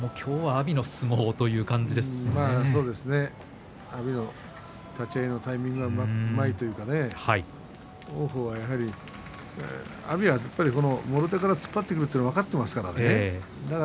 阿炎の立ち合いのタイミングがうまいというか王鵬がやはり、阿炎はもろ手から突っ張ってくるというのが分かっていますからね。